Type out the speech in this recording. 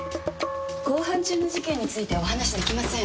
公判中の事件についてお話しできません。